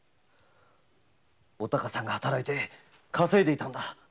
お孝さんが働いて稼いでいたのだ。